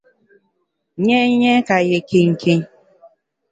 Nyé’nyé’ ka yé kinkin.